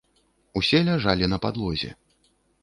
Усе ляжалі на падлозе.